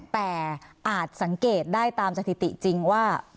แต่อาจสังเกตได้ตามสถิติจริงว่า